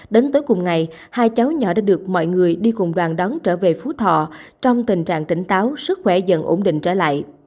đến tối cùng ngày hai cháu nhỏ đã được mọi người đi cùng đoàn đón trở về phú thọ trong tình trạng tỉnh táo sức khỏe dần ổn định trở lại